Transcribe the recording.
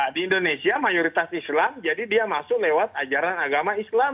di indonesia mayoritas islam jadi dia masuk lewat ajaran agama islam